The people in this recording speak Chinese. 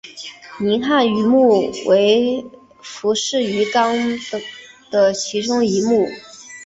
银汉鱼目为辐鳍鱼纲的其中一目。